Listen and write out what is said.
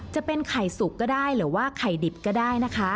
จะเป็นไข่สุกก็ได้หรือว่าไข่ดิบก็ได้นะคะ